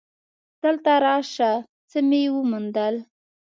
دلته راشه څه مې وموندل.